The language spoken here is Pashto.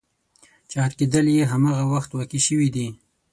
چې غرقېدل یې همغه وخت واقع شوي دي.